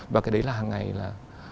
và cái đấy là hằng ngày là